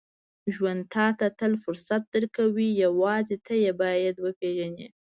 • ژوند تل ته فرصت درکوي، یوازې ته باید یې وپېژنې.